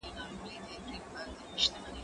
زه له سهاره کتابونه لولم!؟